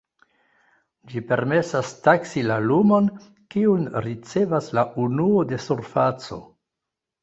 Ĝi permesas taksi la lumon, kiun ricevas la unuo de surfaco.